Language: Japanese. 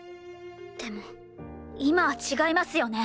でも今は違いますよね？